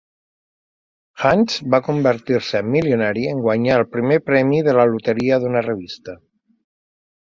Hunch va convertir-se en milionari en guanyar el primer premi a la loteria d'una revista.